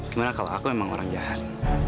sebenarnya kalau aku memang orang jahat